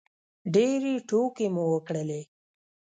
ډېرې ټوکې مو وکړلې.